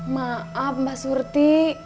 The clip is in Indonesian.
maaf mbak surti